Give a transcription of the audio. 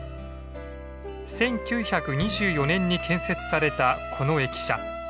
１９２４年に建設されたこの駅舎。